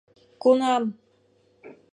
Кунам?